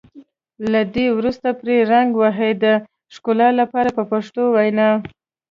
له دې وروسته پرې رنګ ووهئ د ښکلا لپاره په پښتو وینا.